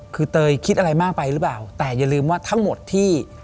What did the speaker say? คือเตยคิดอะไรมากไปหรือเปล่าแต่อย่าลืมว่าทั้งหมดที่